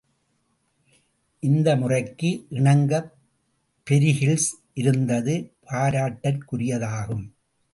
இந்த முறைக்கு இணங்கப் பெரிகில்ஸ் இருந்தது பாராட்டற்குரிய தாகும்.